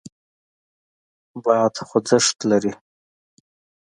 باد خوځښت لري.